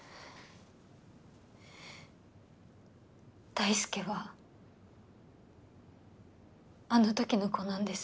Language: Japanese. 大輔はあの時の子なんです。